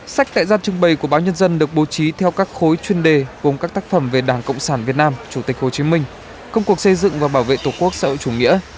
sách tại gian trưng bày của báo nhân dân được bố trí theo các khối chuyên đề gồm các tác phẩm về đảng cộng sản việt nam chủ tịch hồ chí minh công cuộc xây dựng và bảo vệ tổ quốc xã hội chủ nghĩa